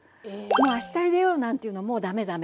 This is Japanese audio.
あしたゆでようなんていうのはもう駄目駄目。